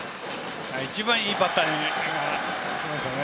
一番いいバッターがきましたね。